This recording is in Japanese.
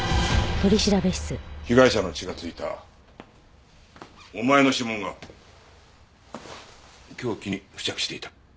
被害者の血が付いたお前の指紋が凶器に付着していた。